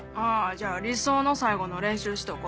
じゃあ理想の最後の練習しとこ。